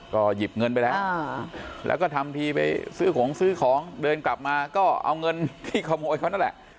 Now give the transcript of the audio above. ก็หยิบเงินไปแล้วแล้วก็ทำทีไปซื้อของซื้อของเดินกลับมาก็เอาเงินที่ขโมยเขานั่นแหละ